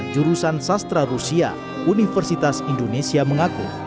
jurusan sastra rusia universitas indonesia mengaku